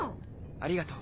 ありがとう。